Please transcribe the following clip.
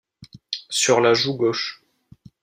Sur la joue gauche.